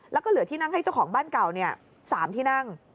แล้วก็เหลือที่นั่งให้เจ้าของบ้านเก่า๓ที่นั่ง